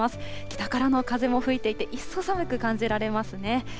北からの風も吹いていて、一層寒く感じられますね。